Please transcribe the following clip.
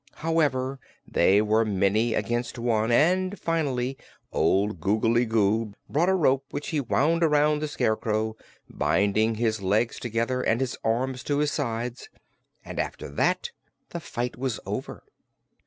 However, they were many against one and finally old Googly Goo brought a rope which he wound around the Scarecrow, binding his legs together and his arms to his sides, and after that the fight was over.